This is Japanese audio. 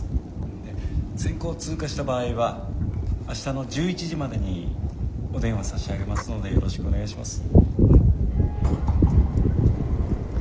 選考通過した場合は明日の１１時までにお電話差し上げますのでよろしくお願いします。